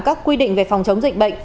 các quy định về phòng chống dịch bệnh